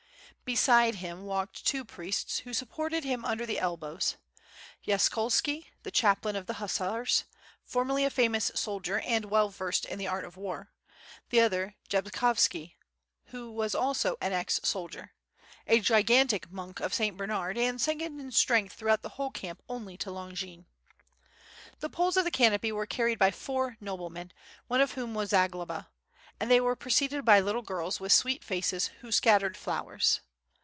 Beside him walked two priests who sup ported him under the elbow^s — Yaskolski the chaplain of the hussarg, formerly a famous soldier and well versed in the art of war, the other Jabkovski was also an ex soldier, a gigantic monk of St. Bernard and second in strength throughout the whole camp only to Longin. The poles of the canopy was carried by four noblemen, one of whom was Zagloba, and they were preceeded by little girls with sweet faces who scattered flowers.